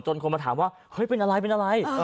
จนคนมาถามว่าเป็นอะไรเป็นอะไร